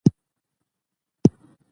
دوی لاره ورکه نه کړه.